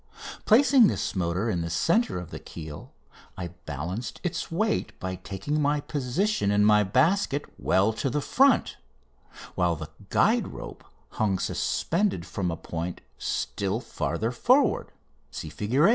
Placing this motor in the centre of the keel I balanced its weight by taking my position in my basket well to the front, while the guide rope hung suspended from a point still farther forward (Fig.